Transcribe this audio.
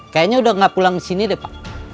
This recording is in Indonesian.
kayaknya udah gak pulang disini deh pak